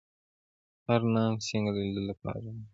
هرنام سینګه د لیدلو لپاره راغی.